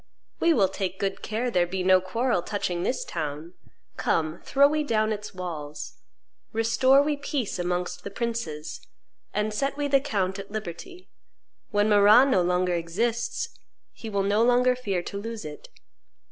We will take good care there be no quarrel touching this town; come, throw we down its walls; restore we peace amongst the princes, and set we the count at liberty: when Marrah no longer exists, he will no longer fear to lose it."